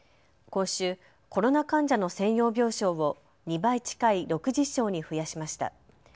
今週、コロナ患者の専用病床を２倍近い６０床に増やしました。